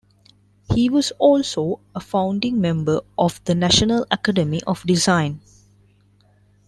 He was also a founding member of the National Academy of Design.